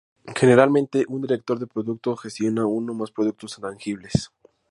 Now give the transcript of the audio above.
Generalmente, un director de producto gestiona uno o más productos tangibles.